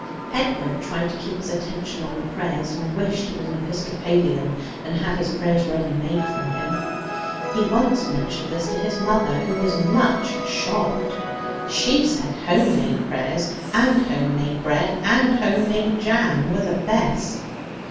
Edward tried to keep his attention on the prayers, and wished he was an Episcopalian, and had his prayers ready made for him. He once mentioned this to his mother, who was much shocked. She said home made prayers and home made bread and home made jam were the best.